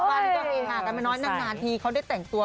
พันก็เองอ่ากันไม่น้อยนานทีเขาได้แต่งตัว